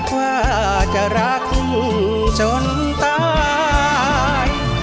ว่าจะรักจนตาย